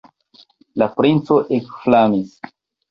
La princo ekflamis.